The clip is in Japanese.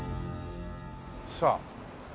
さあ。